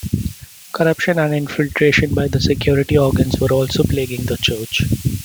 Corruption and infiltration by the security organs were also plaguing the Church.